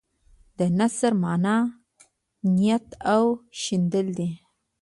د نثر معنی تیت او شیندل دي.